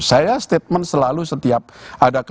saya statement selalu setiap ada